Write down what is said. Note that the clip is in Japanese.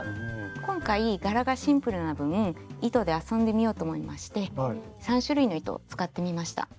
今回柄がシンプルな分糸で遊んでみようと思いまして３種類の糸を使ってみました。